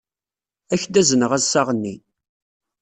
Ad ak-d-azneɣ assaɣ-nni.